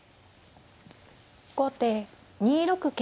後手２六桂馬。